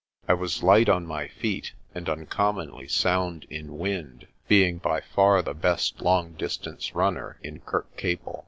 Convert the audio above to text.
I was light on my feet and uncommonly sound in wind, being by far 22 PRESTER JOHN the best long distance runner in Kirkcaple.